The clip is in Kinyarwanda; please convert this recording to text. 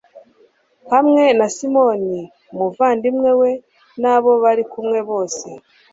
hamwe na simoni umuvandimwe we n'abo bari kumwe bose